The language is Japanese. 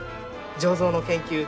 醸造の研究